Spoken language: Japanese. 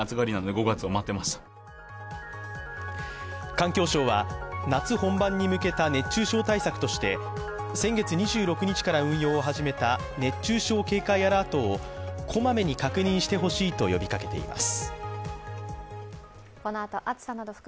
環境省は夏本番に向けた熱中症対策として先月２６日から運用を始めた熱中症警戒アラートを小まめに確認してほしいと呼びかけています。